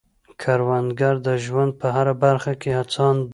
کروندګر د ژوند په هره برخه کې هڅاند دی